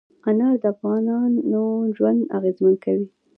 انار د افغانانو ژوند اغېزمن کوي.